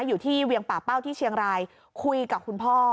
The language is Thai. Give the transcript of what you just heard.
เวียงป่าเป้าที่เชียงรายคุยกับคุณพ่อ